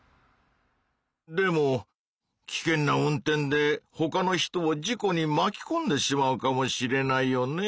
でもきけんな運転でほかの人を事故にまきこんでしまうかもしれないよね？